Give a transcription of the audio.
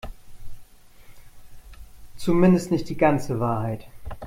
Zumindest nicht die ganze Wahrheit.